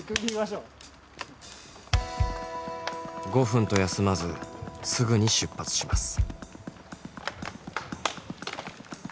５分と休まずすぐに出発します。